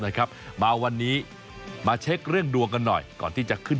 นะครับมาวันนี้มาเช็คเรื่องดวงกันหน่อยก่อนที่จะขึ้น